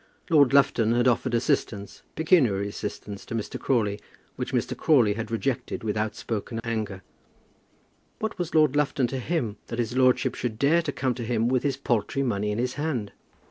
Lord Lufton had offered assistance, pecuniary assistance, to Mr. Crawley, which Mr. Crawley had rejected with outspoken anger. What was Lord Lufton to him that his lordship should dare to come to him with his paltry money in his hand?